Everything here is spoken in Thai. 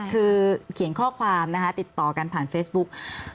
คือเขียนข้อความนะคะติดต่อกันผ่านเฟซบุ๊ก